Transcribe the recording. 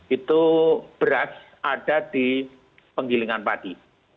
itu beras ada di penggilingan padi